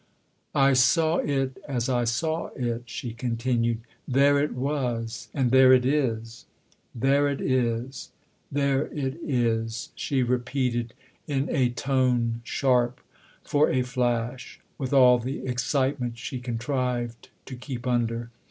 " I saw it as I saw it," she continued :" there it was and there it is. There it is there it is," she repeated in a tone sharp, for a flash, with all the excitement she contrived to keep under.